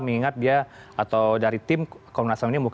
mengingat dia atau dari tim komunasab ini